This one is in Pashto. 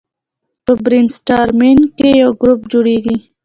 په برین سټارمینګ کې یو ګروپ جوړیږي.